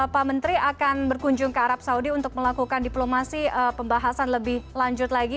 pak menteri akan berkunjung ke arab saudi untuk melakukan diplomasi pembahasan lebih lanjut lagi